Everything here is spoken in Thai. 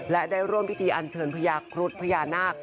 และได้ร่วมพิธีอันเชิญพญาครุฑพญานาค